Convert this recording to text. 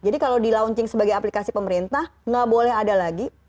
jadi kalau di launching sebagai aplikasi pemerintah gak boleh ada lagi pemerintah